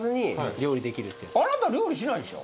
あなた料理しないでしょ？